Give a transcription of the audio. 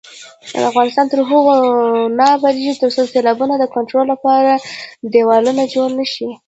افغانستان تر هغو نه ابادیږي، ترڅو د سیلابونو د کنټرول لپاره دېوالونه جوړ نشي.